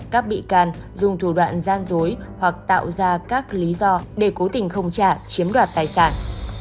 các bị can dùng thủ đoạn gian dối hoặc tạo ra các lý do để cố tình không trả chiếm đoạt tài sản